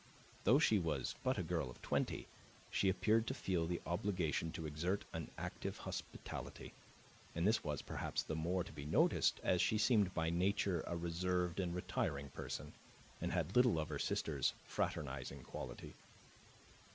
Though she was but a girl of twenty, she appeared to feel the obligation to exert an active hospitality; and this was, perhaps, the more to be noticed as she seemed by nature a reserved and retiring person, and had little of her sister's fraternizing quality.